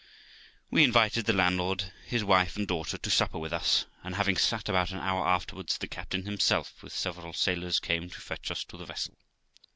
We invited the landlord, his wife, and daughter, to supper with us, and having sat about an hour afterwards, the captain himself, with several sailors, came to fetch us to the vessel.